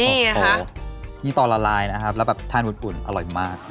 อื้มคือต่อละลายนะครับแล้วแบบท่านหุ้นอร่อยมาก